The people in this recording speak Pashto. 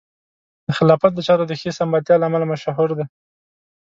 د خلافت د چارو د ښې سمبالتیا له امله مشهور دی.